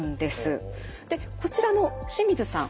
こちらの清水さん。